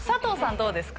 どうですか？